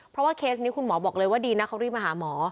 เพราะว่าเคสนี้คุณหมอบอกเลยว่าดีนะเขารีบมาหาหมอ